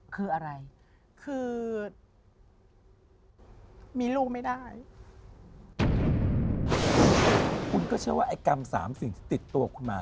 คุณก็เชื่อว่าแอก่ำสามสิ่งที่ติดตัวกับคุณมา